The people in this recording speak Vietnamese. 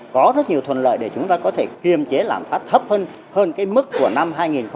có rất nhiều thuận lợi để chúng ta có thể kiềm chế làm phát thấp hơn mức của năm hai nghìn một mươi tám